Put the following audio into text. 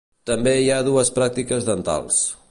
També hi ha dues pràctiques dentals.